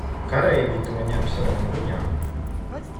Kareivji to ņem savām bruņām.